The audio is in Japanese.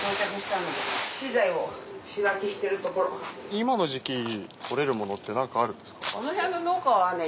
今の時期採れるものって何かあるんですか？